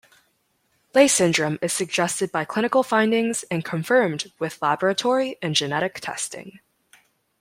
Leigh syndrome is suggested by clinical findings and confirmed with laboratory and genetic testing.